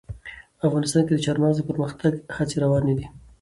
افغانستان کې د چار مغز د پرمختګ هڅې روانې دي.